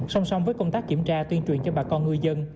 song song với công tác kiểm tra tuyên truyền cho bà con ngư dân